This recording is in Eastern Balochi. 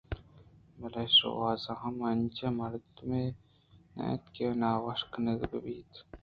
بلئے شوازر ہم انچاہیں مردمے نہ اَت کہ ناوش کنگ بہ بیت